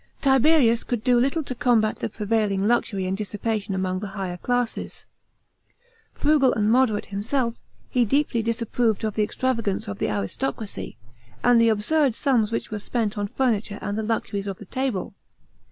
Tiberius could do little to combat the prevailing luxury and dissipation among the higher classes. Frugal and modeiate himself, he deeply disapproved of the extravagance of the aristocracy, and the absurd sums which were sp nt on furnituie and the luxuries of the table.